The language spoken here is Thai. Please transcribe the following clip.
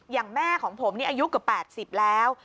อย่างแม่ของผมนี่อายุเกือบ๘๐แล้ว